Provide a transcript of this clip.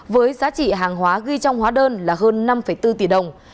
với giá trị hàng hóa ghi trong hóa đơn là hơn năm bốn tỷ đồng